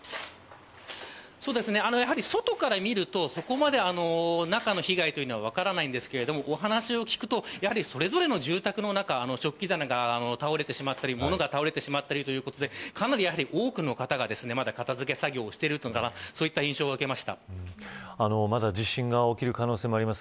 外から見ると、そこまで中の被害は分かりませんがお話を聞くとやはりそれぞれの住宅の中食器棚が倒れてしまったりものが倒れたりということでかなり多くの方が片付け作業をしているというまだ地震が起きる可能性もあります。